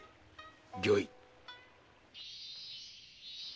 御意。